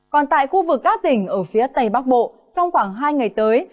còn tại khu vực các tỉnh ở phía tây bắc bộ trong khoảng hai ngày tới